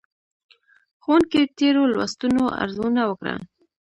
ښوونکي تېرو لوستونو ارزونه وکړه.